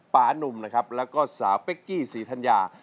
ปานุ่มนะครับแล้วก็สาวเป๊กกี้ศรีธัญญา